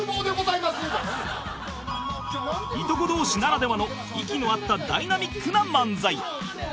いとこ同士ならではの息の合ったダイナミックな漫才